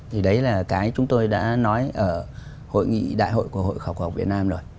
thì đấy là cái chúng tôi đã nói ở hội nghị đại hội của hội khảo cổ học việt nam rồi